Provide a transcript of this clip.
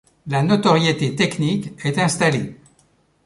La notoriété technique est installée.